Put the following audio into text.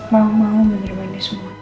mau mau menerimanya semua